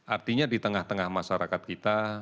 artinya di tengah tengah masyarakat kita